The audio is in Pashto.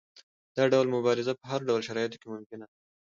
دا ډول مبارزه په هر ډول شرایطو کې ممکنه ده.